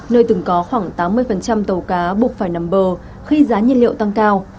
nơi từng có khoảng tám mươi tàu cá buộc phải nằm bờ khi giá nhiên liệu tăng cao